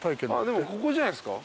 でもここじゃないですか？